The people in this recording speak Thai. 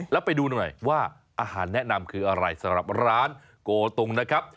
แล้วไปดูหน่อยว่าอาหารแนะนำคืออะไรสำหรับร้านโกตุงนะครับ